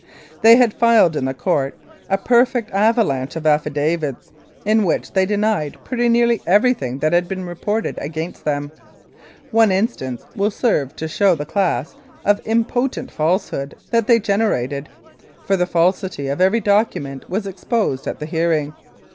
They had filed in the Court a perfect avalanche of affidavits, in which they denied pretty nearly everything that had been reported against them. One instance will serve to show the class of impotent falsehood that they generated, for the falsity of every document was exposed at the hearing.